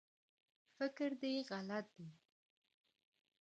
فکر دی غلط دی